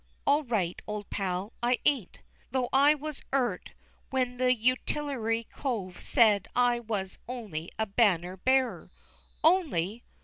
_ All right, old pal; I ain't. Though I was 'urt when that utilerty cove said as I was only a banner bearer. "Only!"